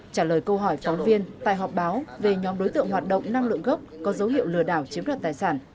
trả lời câu hỏi phóng viên tại họp báo về nhóm đối tượng hoạt động năng lượng gốc có dấu hiệu lừa đảo chiếm đoạt tài sản